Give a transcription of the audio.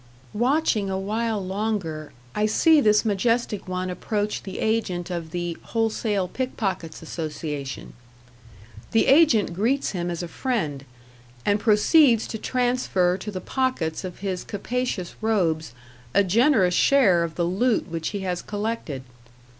Watching a while longer, I see this majestic one approach the agent of the Wholesale Pickpockets' Association. The agent greets him as a friend, and proceeds to transfer to the pockets of his capacious robes a generous share of the loot which he has collected.